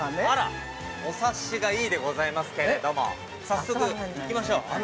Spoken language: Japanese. ◆あら、お察しがいいでございますけれども、早速行きましょう。